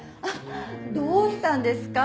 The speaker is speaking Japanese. どうしたんですか？